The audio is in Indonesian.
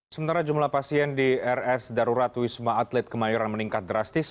sementara jumlah pasien di rs darurat wisma atlet kemayoran meningkat drastis